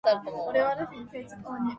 なんで、僕がこんなことをしないといけないんだ。